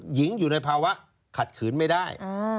หญิงอยู่ในภาวะขัดขืนไม่ได้